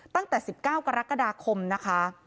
ตั้งแต่๑๙กรกฎาคมนะคะ